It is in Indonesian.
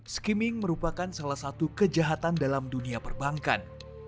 skimming merupakan salah satu kejahatan dalam dunia perbankan